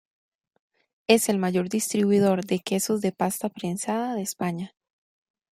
Es el mayor distribuidor de quesos de pasta prensada de España.